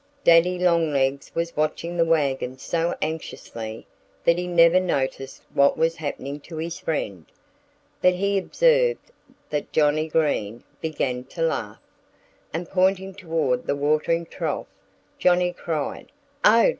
Daddy Longlegs was watching the wagon so anxiously that he never noticed what was happening to his friend. But he observed that Johnnie Green began to laugh. And pointing toward the watering trough Johnnie cried, "Oh!